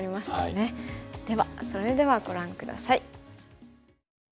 それではご覧下さい。